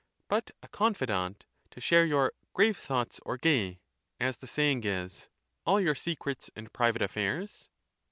But a con fidant, to share your grave thoughts or gay ' as the saying is, all your secrets and private affairs?